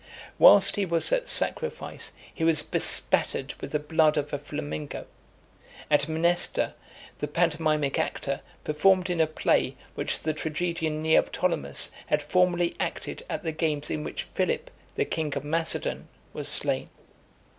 Whilst he was at sacrifice, he was bespattered with the blood of a flamingo. And Mnester, the pantomimic actor, performed in a play, which the tragedian Neoptolemus had formerly acted at the games in which Philip, the king of Macedon, was slain.